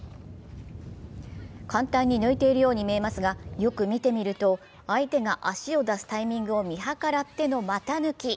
簡単に抜いているように見えますがよく見てみると相手が足を出すタイミングを見計らっての股抜き。